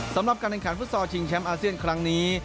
สำหรับการแข่งขันฟุตซอลชิงแชมป์อาเซียนครั้งนี้